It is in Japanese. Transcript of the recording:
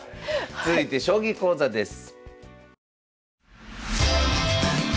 続いて将棋講座です。